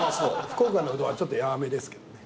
福岡のうどんはちょっとやわめですけどね。